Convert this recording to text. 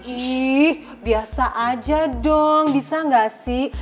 ih biasa aja dong bisa nggak sih